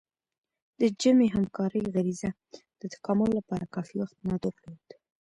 د جمعي همکارۍ غریزه د تکامل لپاره کافي وخت نه درلود.